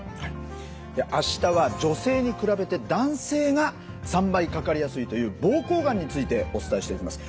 明日は女性に比べて男性が３倍かかりやすいという膀胱がんについてお伝えしていきます。